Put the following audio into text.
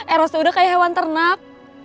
eros tuh udah kayak hewan ternak